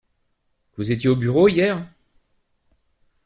Vous étiez au bureau hier ?